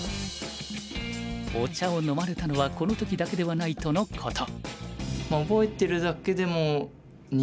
お茶を飲まれたのはこの時だけではないとのこと。